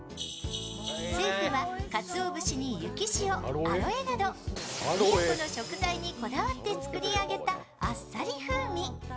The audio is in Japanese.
スープはかつおぶしに雪塩、アロエなど宮古の食材にこだわって作り上げたあっさり風味。